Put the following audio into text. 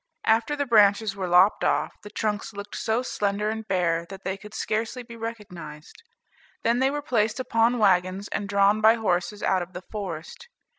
After the branches were lopped off, the trunks looked so slender and bare, that they could scarcely be recognized. Then they were placed upon wagons, and drawn by horses out of the forest.